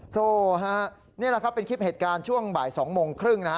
โซ่ฮะนี่แหละครับเป็นคลิปเหตุการณ์ช่วงบ่าย๒โมงครึ่งนะฮะ